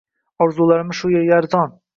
Orzularimni bu yerlarda arzon